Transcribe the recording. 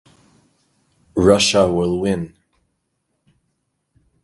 Russia will win!